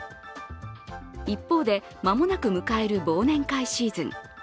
一方で、間もなく迎える忘年会シーズン。